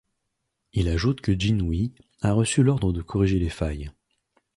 Il ajoute que Jinhui a reçu l'ordre de corriger les failles.